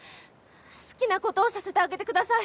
好きなことをさせてあげてください。